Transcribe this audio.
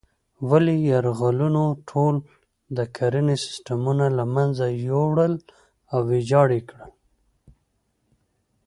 ولې یرغلونو ټول د کرنې سیسټمونه له منځه یوړل او ویجاړ یې کړل.